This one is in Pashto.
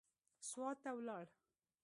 سوات ته ولاړ.